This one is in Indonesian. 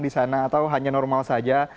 di sana atau hanya normal saja